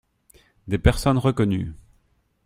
Des personnes reconnues.